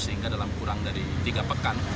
sehingga dalam kurang dari tiga pekan